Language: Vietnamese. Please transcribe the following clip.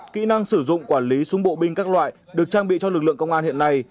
kỹ năng sử dụng quản lý súng bộ binh các loại được trang bị cho lực lượng công an hiện nay